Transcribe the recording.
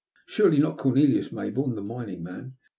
''Surely not Cornelius Maybourne, the mining man